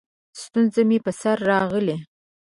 ستونزه مې په سر راغلې؛